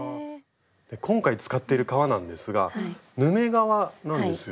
今回使っている革なんですがヌメ革なんですよね。